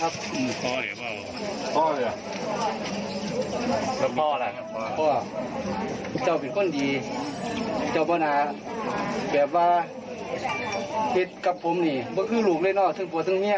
แบบว่าเฮ็ดกับผมนี่เมื่อคือหลุมเลยเนอะซึ่งผัวซึ่งเฮี้ย